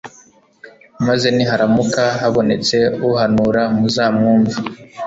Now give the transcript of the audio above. maze niharamuka habonetse uhanura, muzamwumve